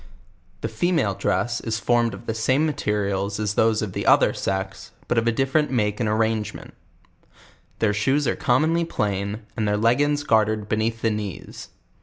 The female dress is formed of the same materials as these of the other sex, but of a different make and arrangement: Their shoes are commonly plain, and their leggins gartered hcr.ea.th the knees.